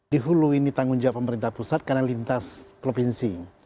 di hulu ini tanggung jawab pemerintah pusat karena lintas provinsi